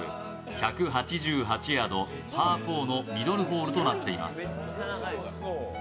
１８８ヤード、パー４のミドルホールとなっています。